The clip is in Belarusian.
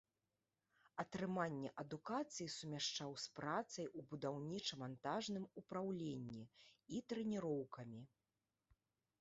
Атрыманне адукацыі сумяшчаў з працай у будаўніча-мантажным упраўленні і трэніроўкамі.